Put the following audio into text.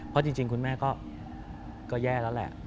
เพราะจริงคุณแม่ก็แย่แล้วแหละ